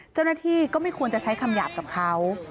เจ้าหน้าที่ก็ไม่ควรจะใช้คำหยาบกับเขา